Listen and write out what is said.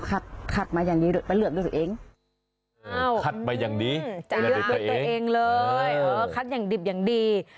คัดไปอย่างดีเองละคัดอย่างดิบยังดี